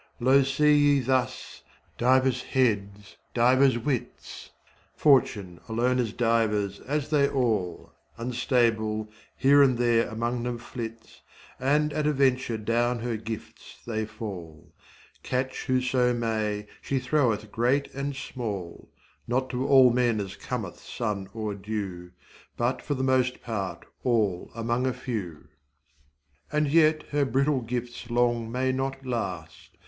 Lo thus ye see, divers heads divers wits, Fortune, alone as divers as they all, Unstable, here and there among them flits, And at a venture down her gifts they fall; Catch whoso may, she throweth great and small, Not to all men as cometh sun or dew, But for the most part, all among a few. And yet, her brittle gifts long may not last.